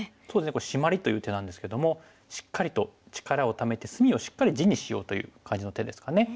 これシマリという手なんですけどもしっかりと力をためて隅をしっかり地にしようという感じの手ですかね。